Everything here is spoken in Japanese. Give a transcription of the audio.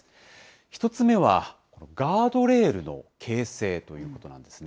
１つ目は、ガードレールの形成ということなんですね。